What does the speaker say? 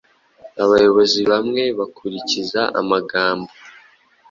Abayobozi bamwe bakurikiza amagambo